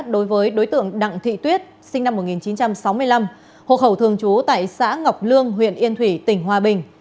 đối với đối tượng đặng thị tuyết sinh năm một nghìn chín trăm sáu mươi năm hộ khẩu thường trú tại xã ngọc lương huyện yên thủy tỉnh hòa bình